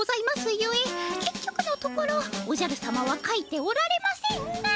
ゆえけっ局のところおじゃる様はかいておられませんが。